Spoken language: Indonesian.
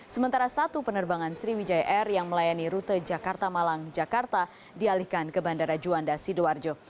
sementara satu penerbangan sriwijaya air yang melayani rute jakarta malang jakarta dialihkan ke bandara juanda sidoarjo